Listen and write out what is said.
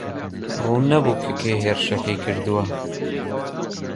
ڕوون نەبوو کە کێ هێرشەکەی کردووە.